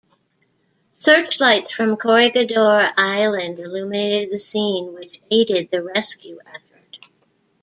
Searchlights from Corregidor Island illuminated the scene which aided the rescue effort.